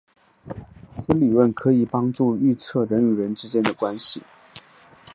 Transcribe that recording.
此理论可以帮助预测人与人之间的关系。